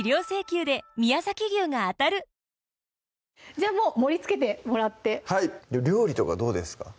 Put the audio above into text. じゃあもう盛りつけてもらってはい料理とかどうですか？